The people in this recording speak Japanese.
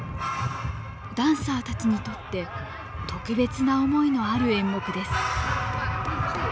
ダンサーたちにとって特別な思いのある演目です。